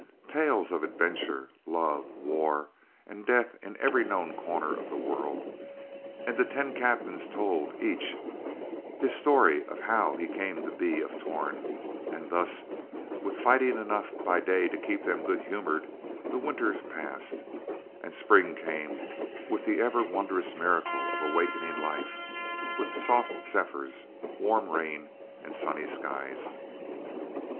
Tales of adventure, love, war and death in every known corner of the world; and the ten captains told, each, his story of how he came to be of Torn; and thus, with fighting enough by day to keep them good humored, the winter passed, and spring came with the ever wondrous miracle of awakening life, with soft zephyrs, warm rain, and sunny skies.